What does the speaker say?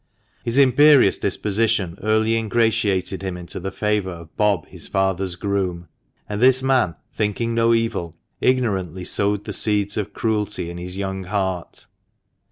His imperious disposition early ingratiated him into the favour of Bob, his father's groom ; and this man, thinking no evil, ignoran tly sowed the seeds of cruelty in his young heart.